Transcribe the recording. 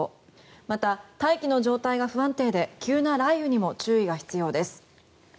また、大気の状態が不安定で急な雷雨にも注意が必要です。